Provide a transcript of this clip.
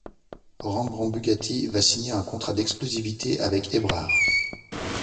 Rembrandt Bugatti va signer un contrat d'exclusivité avec Hébrard.